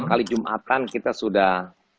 kali jumatan kita sudah